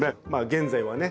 現在はね